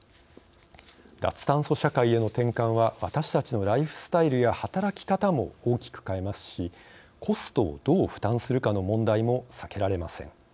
脱炭素社会への転換は私たちのライフスタイルや働き方も大きく変えますしコストをどう負担するかの問題も避けられません。